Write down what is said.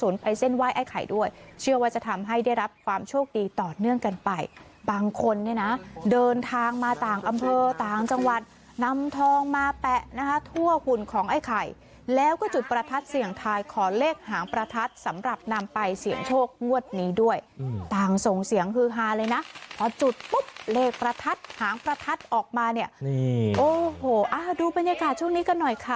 เชื่อว่าจะทำให้ได้รับความโชคดีต่อเนื่องกันไปบางคนเนี่ยนะเดินทางมาต่างอำเภอต่างจังหวัดนำทองมาแปะนะคะทั่วหุ่นของไอ้ไข่แล้วก็จุดประทัดเสี่ยงทายขอเลขหางประทัดสำหรับนำไปเสี่ยงโชคงวดนี้ด้วยต่างส่งเสียงฮือฮาเลยนะพอจุดปุ๊บเลขประทัดหางประทัดออกมาเนี่ยโอ้โหดูบรรยากาศช่วงนี้กันหน่อยค่ะ